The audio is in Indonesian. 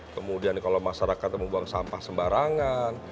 kemudian kalau masyarakat membuang sampah sembarangan